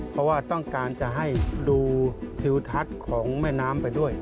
เพราะว่าต้องการจะให้ดูทิวทัศน์ของแม่น้ำไปด้วย